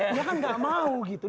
dia kan gak mau gitu